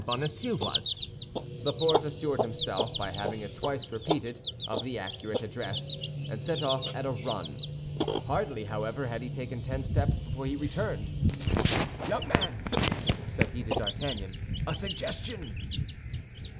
Bonacieux was. Laporte assured himself, by having it twice repeated, of the accurate address, and set off at a run. Hardly, however, had he taken ten steps before he returned. "Young man," said he to D'Artagnan, "a suggestion."